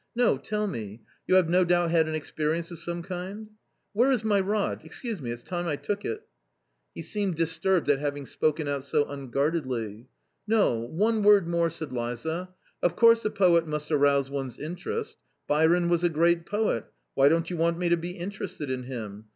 " No, tell me ; you have no doubt had an experience of some kind ?"" Where is my rod ? Exquse me, it's time I took it." He seemed disturbed at having spoken out so un guardedly. " No, one word more," said Liza, " of course a poet must arouse one's interest. Byron was a great poet ; why don't you want me to be interested in him?